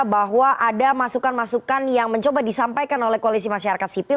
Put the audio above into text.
bahwa ada masukan masukan yang mencoba disampaikan oleh koalisi masyarakat sipil